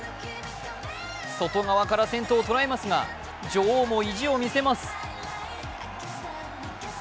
外側から先頭を捉えますが女王も意地を見せます。